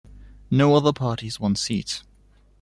No other parties won seats.